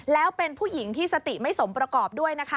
แล้วเป็นผู้หญิงที่สติไม่สมประกอบด้วยนะคะ